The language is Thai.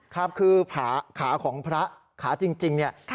ครับคือขาของพระขาจริงเนี่ย